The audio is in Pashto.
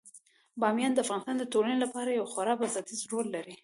بامیان د افغانستان د ټولنې لپاره یو خورا بنسټيز رول لري.